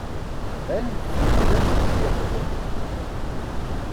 Anfemt-as ad t-yexdem.